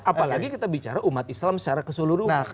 apalagi kita bicara umat islam secara keseluruhan